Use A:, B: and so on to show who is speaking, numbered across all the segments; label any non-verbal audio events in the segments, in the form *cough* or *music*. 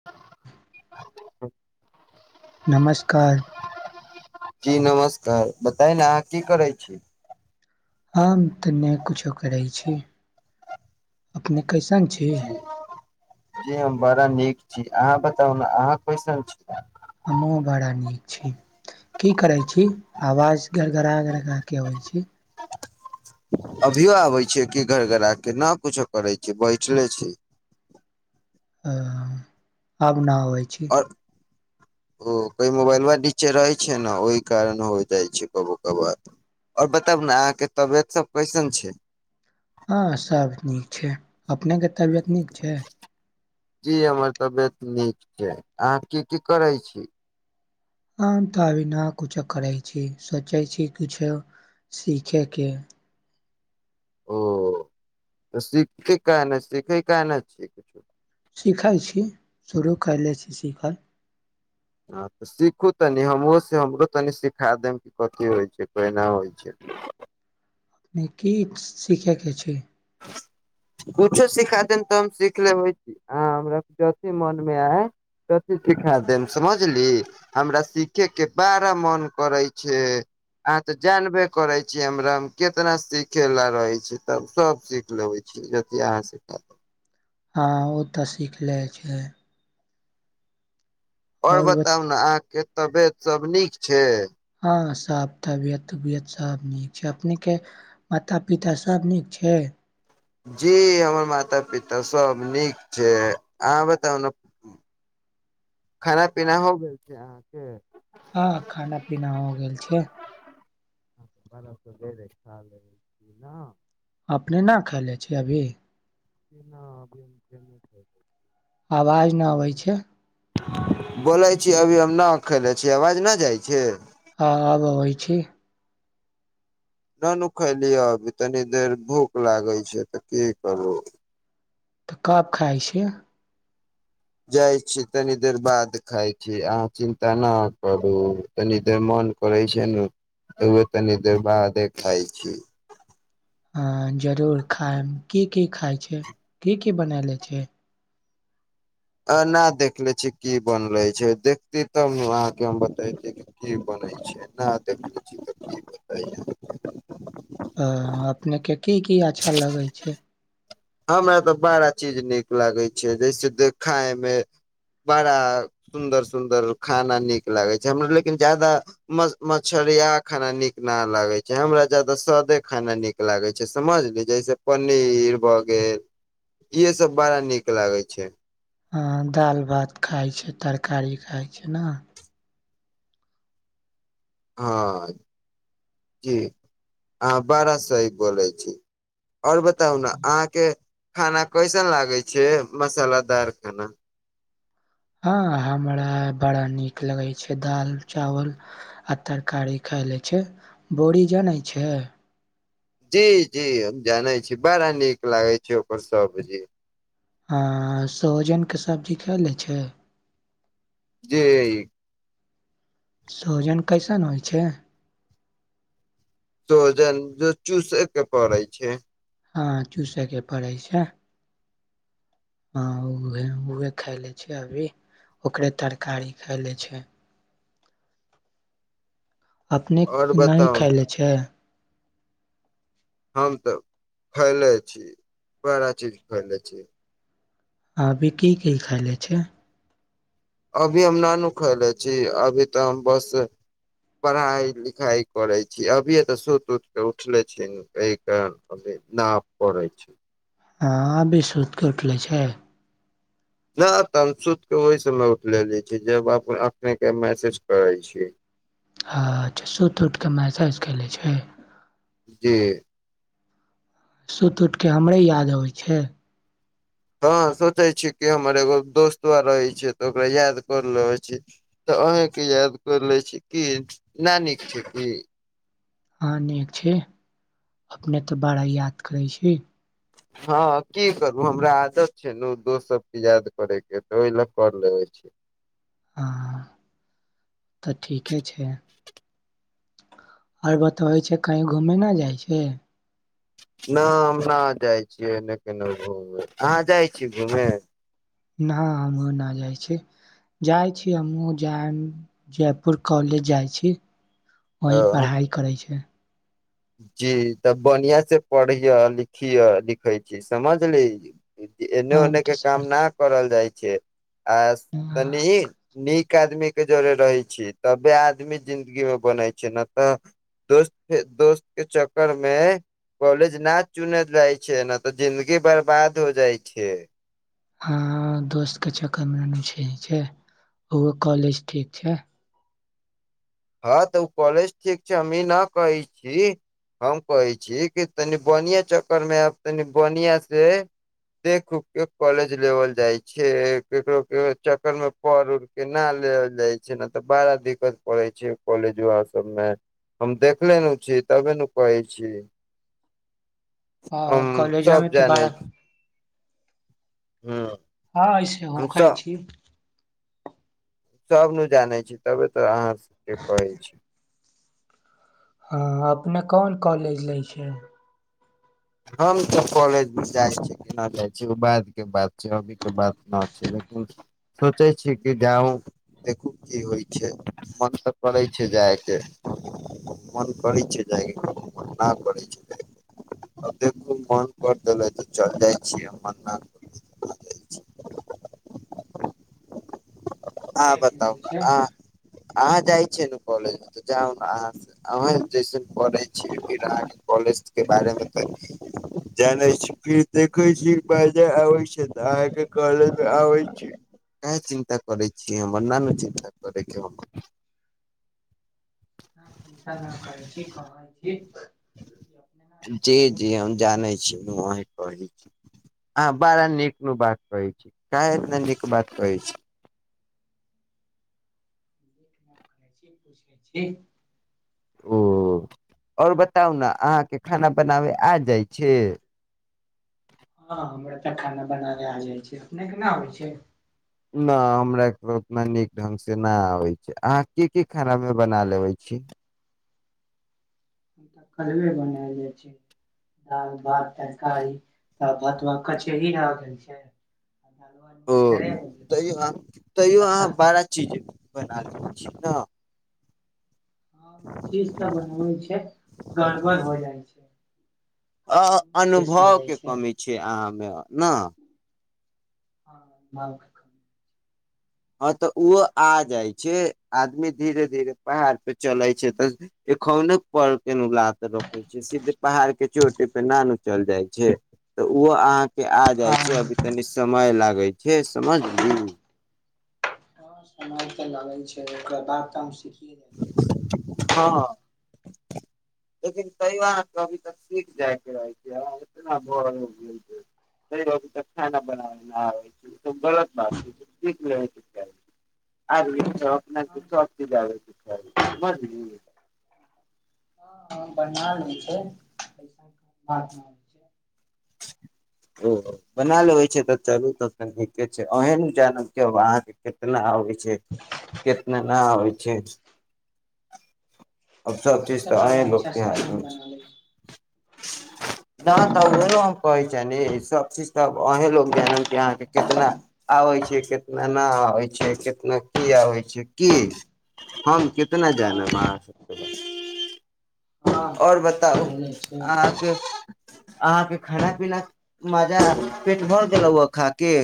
A: *unintelligible*
B: नमस्कार
A: जी नमस्कार बताय न अहाँ की करै छी
B: हम तऽ नहि कुछो करै छी अपने कैसन छी
A: जी जी हम बड़ा नीक छी अहाँ बताउ न अहाँ कैसन छी
B: हमहूँ बड़ा नीक छी की करे छी आवाज घड़ - घड़ा घड़ - घड़ा के अबै छी
A: अभियो आबे छै कि घर - घड़ा के न कुछो करे छै बैठले छी
B: ओ अब न आबैय छै
A: *inaudible* ओ कहि मोबाइलवा नीचे रहै छै नऽ ओहि कारण हो जाइ छै कबो कबो और बताब न अहाँ के तबियत सब कैसन छै
B: हँ सब नीक छै अपनेके तबियत नीक छै
A: जी हमर तबियत नीक छै अहाँ की की करे छी
B: हम तऽ अभी न कुछो करै छी सोचै छी किछो सीखयके
A: ओ तऽ सीखै कै नहि सीखै काहे न छिये
B: सीखै छी शुरू कैलै छी सीखल
A: हँ तऽ सीखू तनि हमहुँ से हमरो तनी सिखा देब कि कथी होइत छै केना होइ छै *unintelligible*
B: अपने की सीखैके छै
A: कछो सिखा देब तऽ हम सीख लेबै आ हमरा जथी मन मे आय तथी सिखा देम समझली हमरा सिखे के बड़ा मन करै छै अहाँ ते जानबे करे छियै हमरा मे केितना सिखे ला रहे छी तब सीख लेबै छीय जत अहाँ सिखा
B: हँ ओ त सीख लै छै
A: और
B: आओर बत
A: बताउ ने अहा के तबियत सब नीक छै
B: हँ सब तबियत उबियत सब नीक छै अपने के माता पिता सब नीक छै
A: जी हमर माता पिता सब नीक छै अहाँ बताउ ने खाना पीना हो
B: ह खाना पीना हो गेल छै
A: बै छ् *inaudible*
B: अपने न खाय ले छिय अभी
A: *inaudible*
B: आवाज नय‌अबै छै
A: बोलै छी अभी हम न अखैेले छीय आवाज न जाइ छै
B: आवाज‌ अबैत छै
A: न नुखैलिय अभी तनी देर भूख लागे छै त की करू
B: तऽ कब खाइ छी
A: जाइ छी तनी देर बाद खाय छी अहाँ चिन्ता न करू तनी देर मन करै छै ने तनी देर बादे खाइ छी
B: ह जरूर खायम की की खाय छै की की बना लय छिय
A: एना देखले छी की बनले छै देखती तब ने वहाँ के हम बतेती की बनै छै ना देखले जिया त की ब
B: अ अपने के की की अच्छा लगे छै
A: हमरा त बड़ा चीज नीक लागै छै जैसे दे खाय मे बड़ा सुन्दर सुन्दर खाना नीक लागैत छै हमरा लेकिन जादा म मछरिया खाना नीक न लागे छै हमरा जदा सादे खाना निक लागे छै समझली जैसे पनीर ब गेल इहे सब बड़ा नीक लागे छै
B: अहा दालि भात खाइत छै तरकारी खाइत छै ने
A: हँ जी अह बारा सही बोलै छी आओर बताउ ने अहाँके खाना कैसन लागे छै मसालादार खाना
B: हँ हमरा बड़ा नीक लगै छै दाल चावल आ तरकारी खाय ले छै बोरी जानै छै
A: जी जी हम जाने छी बड़ा नीक लागे छै ओकर सबजी
B: हँ सोहजनके सब्जी खलै छै
A: जी
B: सोहजन कैसन होइ छै
A: सहजन त चूसे के पड़ै छै
B: हँ चूसैके पड़ैत छै हा उहे उहे खाय ले छै अभी ओकरे तरकारी खाय ले छै
A: और
B: अपनेके नय
A: बताउ
B: खैले छै
A: हम त खैले छी बड़ा चीज खैले छी
B: अभी की की खायले छै
A: अभी हम नानुखैले छी अभी त हम बस पढ़ाई लिखाई करे छी अभिये त सुत उत के उठले छै न एहि कार ना परै छी
B: अहा अभी सूइत क उठले छै
A: नहि तब सुत के ओहि सम मे उठलेे छै जब अपने के मैसेज करै छी
B: अ अच्छा सुत उठकऽ मेसेज कले छै
A: जी
B: सुत उठके हमरे याद अबइ छै
A: हँ सोचै छी कि हमर एगो दोस्तो रहै छै तऽ ओकरा याद कर लेै छी तऽ अहें के याद कर ले छी की ना नीक छै की
B: हँ नीक छी अपने तऽ बड़ा याद करै छी
A: हँ की करू हमरा आदत छै ने दोस्त सबके याद करे के तऽ ओहि ला कर लेबै छी
B: हँ तऽ ठीके छै आओर बतबै छै कहीँ घुमे नहि जाइ छै
A: नहि हम न जाइ छियै ने केनहु घुमे अहाँ जाइ छी घूमे
B: न हमहुँ नहि जाइ छै जाइ छी हमहूँ जायब जयपुर कॉलेज जाइत छी वही
A: हम
B: पढ़ाइ करै छियै
A: जी तब बढ़ियाँ से पढ़िय लिखिय लिखै छी समझली एन्ने
B: हम
A: ओने के
B: तऽ
A: कामना
B: समझली
A: करल जाइ छै आ
B: *inaudible*
A: तनी नीक आदमी के जरे रहै छीयै तबे आदमी जिंन्दगी मे बनै छै नहि तऽ दोस्त दोस्त के चक्कर मे कॉलेज न चुनल जाइ छै ने तऽ जिंन्दगी बर्बाद हो जाइ छै
B: हँ दोस्त के चक्कर मे छै ओ कॉलेज ठीक छै
A: हँ तऽ ओ कॉलेज ठीक छै हमी न कहै छी हम कहै छी कि तनि बनीआ चक्कर मे आब तनि बढ़ियाँ से देख उख के कॉलेज लेवल जाय छै केकरो के चक्कर मे कर उर के न लेले जाय छै ने तऽ बड़ा दिक्कत पड़े जब कॉलेज व सबमे हम देखले न छी तबे ने कहै छी हँ
B: कॉलेजो मे
A: सब
B: तऽ
A: जानै
B: बड़ा
A: छै हँ
B: हँ ऐसे होखै छी
A: सब न जानै छी तबे तो अहाँ सब के कहै छी
B: हँ अपने कोन कॉलेज लै छै
A: हम तऽ कॉलेज भऽ जाइ छियै केना जाइ छी ओ बाद के बात अभी के बात न छै लेकिन सोचै छी कि जा देखू की होइ छै मन तऽ करै छै जायके मन करै छै जायके मन नहि करै छै अब देख खूब मन कर देले तऽ चल जाइ छियै कर हँ
B: देख लै
A: बताउ ने
B: छै
A: अहाँ अहाँ जाइ छियै कॉलेज तऽ जाउ ने अहाँ अहाँ जैसे पढ़ै छियै विराट कॉलेज के बारेमे तऽ जानैत छी फिर देखे छी बाजा आबै छै तऽ अहाँके काॅलेज मे आबै छी क चिन्ता करै छियै हमर न ने चिन्ता करैके हम
B: चिन्ता न करै छी कहै छी अपने ना जाइ
A: जी
B: छै
A: जी हम जानै छी हम वही कहै छी हँ बारा नीक नीक बात कहै छै काहे एतना नीक बात कहै छी
B: *unintelligible*
A: ओ आओर बताउ ने अहाँके खाना बनाबे आ जाइ छै
B: हँ हमरा तऽ खाना बना ले आ जाइ छै अपने केना होइ छै
A: न हमरा त उतना नीक ढंग से नहि आबै छै अहाँ कि की खाना मे बना लेबे छी
B: तऽ कलबे बनायल जाइ छै दाल भात तरकारी तब कचौरी ही रह गेल छै आ दालवा
A: ओ
B: निमगरे हो गेल
A: तैयो
B: छै
A: अहाँ तैयो
B: आ सा
A: अहाँ बारा चीज बना लेबै छी ने
B: हँ उ चीज तऽ बनबै छै गड़बड़ हो जाइ छै
A: अ
B: कबनो ना बेस हो जाइ
A: अनुभवके कमी छै अहाँमे न
B: हँ
A: ह तऽ ओहो आ जाइ छै आदमी धीरे धीरे पहाड़ पे चले छै तऽ एखौनो पर के न लात रखे छै सीधे पहाड़ के चोटे पे नानू चल जाइ छै तऽ ओहो अहाँके आ
B: हँ
A: जाइ छै अभी तनी समय लागै छै समझली
B: समय त लागल छै ओकरा बाद काम सिखिये जाइ
A: हँ
B: छै
A: लेकिन तैयो अभी तक सीख जाय के रहै छै एनार त ब *unintelligible* त खाना बनाबै छै त गलत बात छै आ *unintelligible* न सुख
B: हम
A: हतै आ सुखी
B: ह बना छै पै
A: ओ बना लेबे छै त चलू त त नीके छै ओहन जानब के अहाँ के कीतना आबे छै जे केतना आबे छै अब सब
B: हम
A: चीज तऽ
B: बड़ा
A: आयं लोग
B: अच्छा
A: के
B: से खाना
A: हाथमे
B: बना लै छी
A: छै नहि तऽ उहे ने हम कहै छिय नी सब चीज तऽ अहीं लो जानम के अहाँके केतना आबे छै केतना न आबे छै कितना की आबे छै की हम कितना
B: हँ
A: जानम अहाँ सब के बताउ
B: हँ
A: और
B: ई तऽ
A: बताउ
B: हेले छै
A: अहाँके अहाँके खाना पीना मजा पेट भर गेलहु ह खा के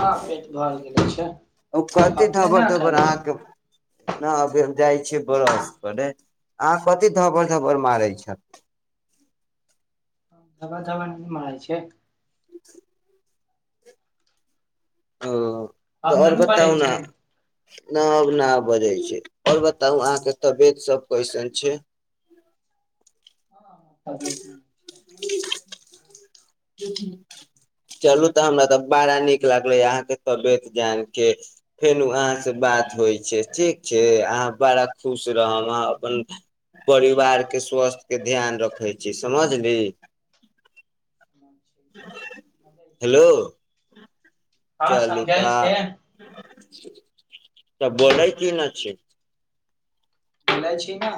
B: हँ पेट भर गेले छै
A: ओ कथी
B: अपने
A: धबर
B: न
A: धबर
B: खायले छै
A: अहाँके नहि अभी हम जाइ छियै ब्रश करे अहाँ कथी धबड़ धबड़ मारै छ
B: धबड़ धबड़ न मारे छियै
A: जी ह तऽ
B: अपने
A: ओर बताउ
B: बजै
A: ने
B: छै
A: न अब न बजै छै और बताउ अहाँके तबियत सब कैसन छै
B: तिय *inaudible*
A: हूं हूं चलू तऽ हमरा तऽ बाड़ा नीक लागलै अहाँके तबियत जान के फेनु अहाँ से बात होइ छै ठीक छै अहाँ बड़ा खुश रहब अहाँ अपन परिवार के स्वास्थ्य के ध्यान रखे छी समझली
B: समझ छै
A: हेलो
B: हँ
A: चलू
B: समझै
A: तऽ
B: छै
A: त बोलै की ने छै
B: बोलै छी न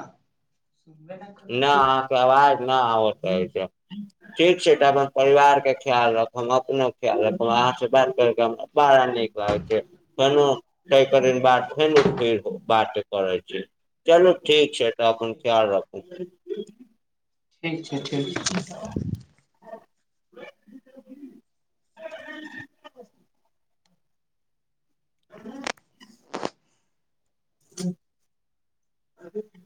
B: सुनबे करै
A: न
B: छियै
A: अहाँके अवाज नाह आ कहै छै ठीक छै त अपन परिवार के ख्याल रखम हम अपनो ख्याल रखब हम अहाँ से बात करके हम बारा निक लागै छै फेनो तेय करे क बाद फेर बात करै छी चलू ठीक छै त अपन खयाल रखू
B: ठीक छै ठीक छै
A: ह *inaudible* *inaudible*